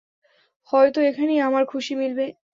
হয়ত এখানেই আমার খুশি মিলবে।